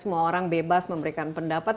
semua orang bebas memberikan pendapat